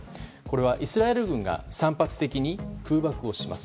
イスラエル軍が散発的に空爆をします。